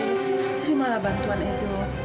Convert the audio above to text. terimalah bantuan edo